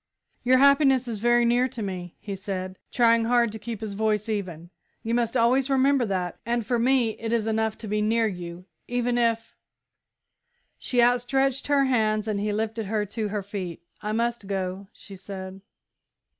"Your happiness is very near to me," he said, trying hard to keep his voice even, "you must always remember that. And for me, it is enough to be near you, even if " She stretched out her hands and he lifted her to her feet. "I must go," she said.